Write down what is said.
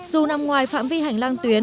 dù năm ngoài phạm vi hành lang tuyến